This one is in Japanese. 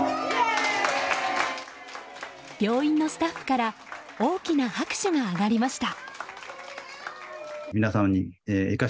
病院のスタッフから大きな拍手が上がりました。